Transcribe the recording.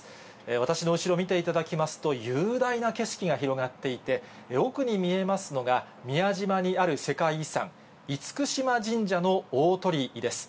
私の後ろ見ていただきますと、雄大な景色が広がっていて、奥に見えますのが宮島にある世界遺産、厳島神社の大鳥居です。